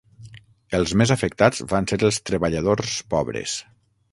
Els més afectats van ser els treballadors pobres.